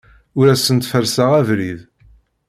Ur asent-ferrseɣ abrid.